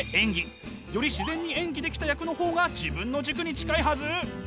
より自然に演技できた役の方が自分の軸に近いはず！